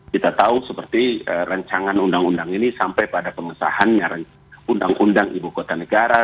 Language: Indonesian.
kita tahu seperti rancangan undang undang ini sampai pada pengesahannya undang undang ibu kota negara